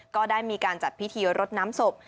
ก็ได้มีการจัดพิธีรดน้ำศพ